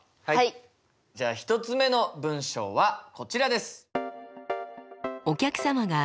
じゃあ１つ目の文章はこちらです！